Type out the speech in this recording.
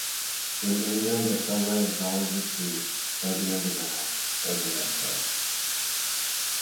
In England, a subway is always a tube, or the underground, or the Metro.